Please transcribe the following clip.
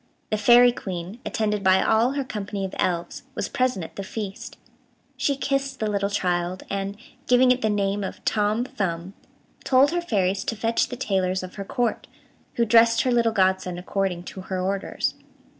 The Fairy Queen, attended by all her company of elves, was present at the feast. She kissed the little child, and, giving it the name of Tom Thumb, told her fairies to fetch the tailors of her Court, who dressed her little godson according to her orders.